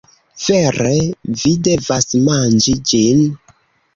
Vere vi devas manĝi ĝin.